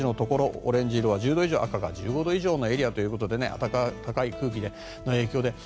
オレンジ色は１０度以上赤が１５度以上のところということで暖かい空気の影響でね。